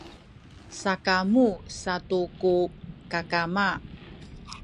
sakamu satu ku kakama